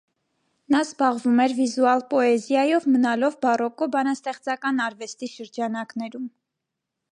Նա զբաղվում էր վիզուալ պոեզիայով՝ մնալով բարոկկո բանաստեղծական արվեստի շրջանակներում։